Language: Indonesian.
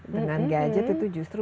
dengan gadget itu justru